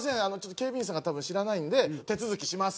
警備員さんが多分知らないんで手続きします。